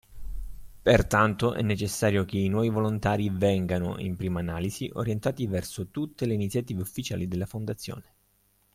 Pertanto è necessario che i nuovi volontari vengano, in prima analisi, orientati verso tutte le iniziative ufficiali della fondazione.